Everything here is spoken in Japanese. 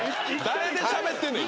誰でしゃべってんの？